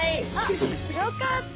よかった。